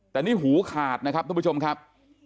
แต่นี่หูขาดนะครับทุกผู้ชมครับ